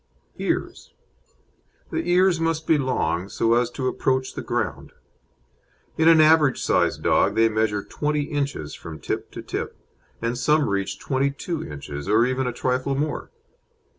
EARS The ears must be long, so as to approach the ground. In an average sized dog they measure twenty inches from tip to tip, and some reach twenty two inches, or even a trifle more.